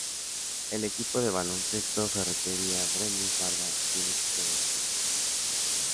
El equipo de baloncesto Ferretería Brenes Barva tiene su sede aquí.